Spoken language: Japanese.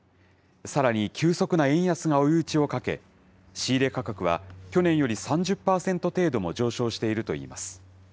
さらに急速な円安が追い打ちをかけ、仕入れ価格は去年より３０％程度も上昇しているといいます。